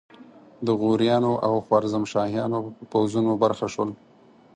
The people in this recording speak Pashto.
د غوریانو او خوارزمشاهیانو پوځونو برخه شول.